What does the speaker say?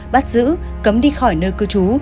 bắt giữ cấm đi khỏi nơi cư trú